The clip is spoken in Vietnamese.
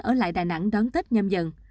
ở lại đà nẵng đón tết nhâm dần